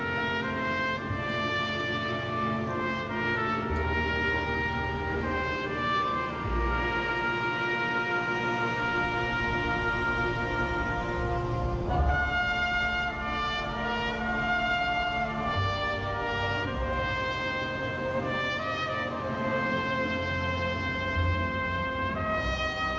โรงพยาบาลวิทยาศาสตรี